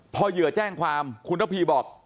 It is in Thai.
พอเหยื่อแจ้งความคุณระพีบอก